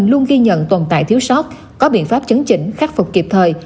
luôn ghi nhận tồn tại thiếu sót có biện pháp chấn chỉnh khắc phục kịp thời